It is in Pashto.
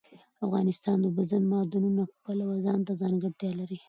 افغانستان د اوبزین معدنونه د پلوه ځانته ځانګړتیا لري.